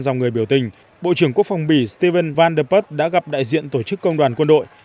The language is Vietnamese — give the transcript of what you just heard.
đồng thời bộ trưởng quốc phòng bỉ stephen van der putt đã gặp đại diện tổ chức công đoàn quân đội